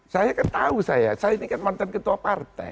saya kan tahu saya saya ini kan mantan ketua partai